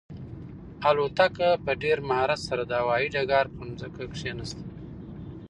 الوتکه په ډېر مهارت سره د هوايي ډګر پر ځمکه کښېناسته.